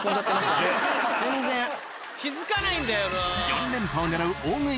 気付かないんだよな。